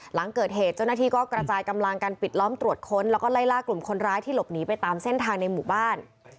หลังเกิดเหตุเจ้าหน้าที่ก็กระจายกำลังการปิดล้อมตรวจค้นแล้วก็ไล่ล่ากลุ่มคนร้ายที่หลบหนีไปตามเส้นทางในหมู่บ้าน